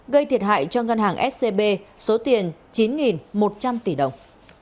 gây thiệt hại cho ngân hàng scb số tiền chín một trăm linh tỷ đồng